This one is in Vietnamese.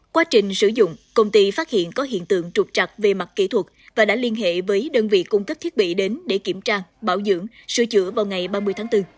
quá trình sử dụng công ty phát hiện có hiện tượng trục trặc về mặt kỹ thuật và đã liên hệ với đơn vị cung cấp thiết bị đến để kiểm tra bảo dưỡng sửa chữa vào ngày ba mươi tháng bốn